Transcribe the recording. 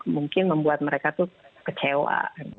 mungkin membuat mereka tuh kecewa